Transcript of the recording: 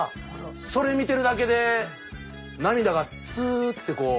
それ見てるだけで涙がツーッてこう。